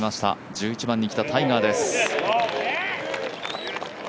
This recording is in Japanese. １１番に来ましたタイガーです。